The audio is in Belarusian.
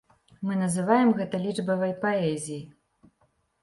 Мы называем гэта лічбавай паэзіяй.